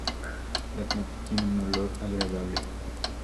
La planta tiene un olor agradable.